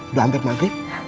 udah hampir maghrib